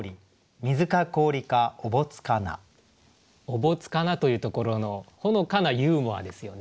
「覚束無」というところのほのかなユーモアですよね。